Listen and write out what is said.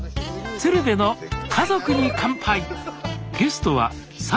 「鶴瓶の家族に乾杯」